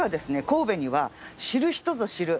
神戸には知る人ぞ知る。